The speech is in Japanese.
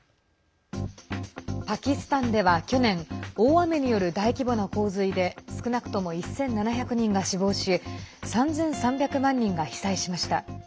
パキスタンでは去年大雨による大規模な洪水で少なくとも１７００人が死亡し３３００万人が被災しました。